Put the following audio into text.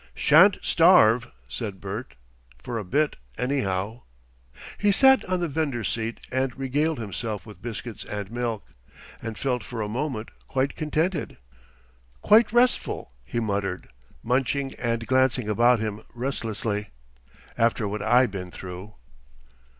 "Shan't starve," said Bert, "for a bit, anyhow." He sat on the vendor's seat and regaled himself with biscuits and milk, and felt for a moment quite contented. "Quite restful," he muttered, munching and glancing about him restlessly, "after what I been through.